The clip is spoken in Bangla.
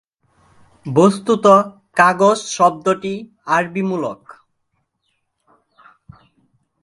বস্তুত, "কাগজ" শব্দটি আরবী মূলক।